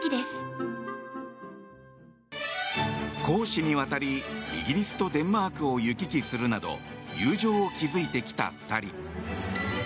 公私にわたりイギリスとデンマークを行き来するなど友情を築いてきた２人。